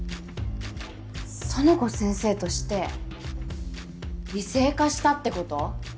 苑子先生として異性化したってこと？